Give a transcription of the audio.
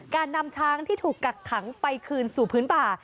การนำช้างที่ถูกกักขังไปคืนสู่พื้นป่า